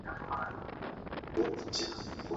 毕业于北京大学西方语言文学系。